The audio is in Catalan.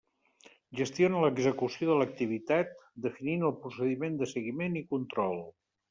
Gestiona l'execució de l'activitat, definint el procediment de seguiment i control.